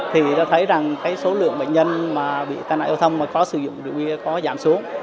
thì đã thấy rằng cái số lượng bệnh nhân mà bị tai nạn giao thông mà có sử dụng rượu bia có giảm xuống